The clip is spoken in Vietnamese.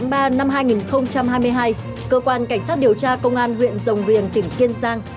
ngày hai mươi ba tháng ba năm hai nghìn hai mươi hai